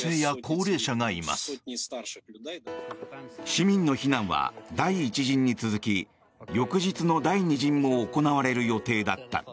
市民の避難は第１陣に続き翌日の第２陣も行われる予定だった。